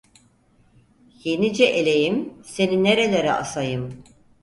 Yenice eleğim, seni nerelere asayım?